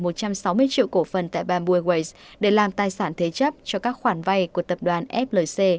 một trăm sáu mươi triệu cổ phần tại bamboo airways để làm tài sản thế chấp cho các khoản vay của tập đoàn flc